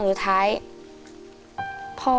ขอบคุณมากครับ